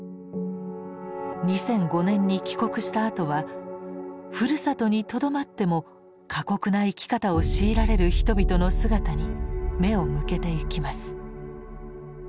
２００５年に帰国したあとはふるさとにとどまっても過酷な生き方を強いられる人々の姿に目を向けていきます。